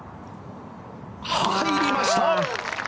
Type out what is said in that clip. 入りました！